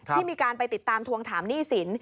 ที่มีการไปติดตามทวงถามหนี้สิน